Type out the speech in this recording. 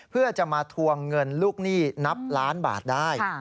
เพื่อจะมาทวงเงินลูกหนี้นับล้านบาทได้